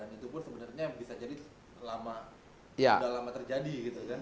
dan itu pun sebenarnya bisa jadi sudah lama terjadi gitu kan